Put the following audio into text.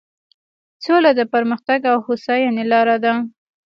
سوله د پرمختګ او هوساینې لاره ده.